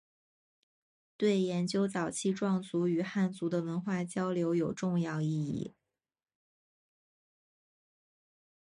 对研究早期壮族与汉族的文化交流有重要意义。